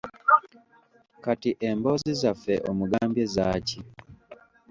Kati emboozi zaffe omugambye zaaki?